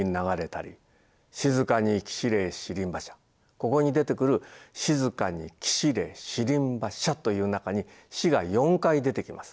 ここに出てくる「しづかにきしれ四輪馬車」という中に「し」が４回出てきます。